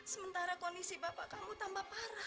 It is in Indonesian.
sementara kondisi bapak kamu tambah parah